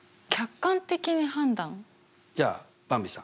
じゃあばんびさん。